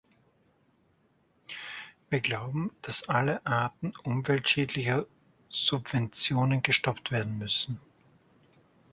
Wir glauben, dass alle Arten umweltschädlicher Subventionen gestoppt werden müssen.